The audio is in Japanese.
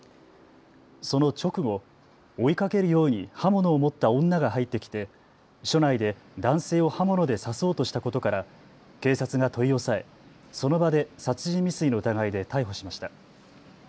その直後、追いかけるように刃物を持った女が入ってきて署内で男性を刃物で刺そうとしたことから警察が取り押さえその場で殺人未遂の疑いで逮捕しました。